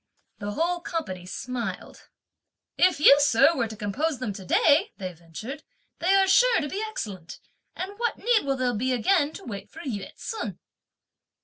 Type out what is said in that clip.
The whole company smiled. "If you, sir, were to compose them to day," they ventured, "they are sure to be excellent; and what need will there be again to wait for Yü ts'un!"